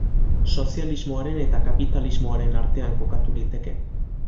Sozialismoaren eta kapitalismoaren artean kokatu liteke.